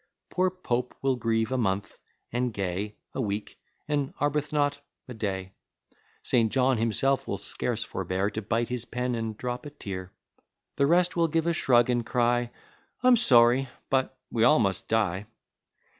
Poor Pope will grieve a month, and Gay A week, and Arbuthnot a day. St. John himself will scarce forbear To bite his pen, and drop a tear. The rest will give a shrug, and cry, "I'm sorry but we all must die!"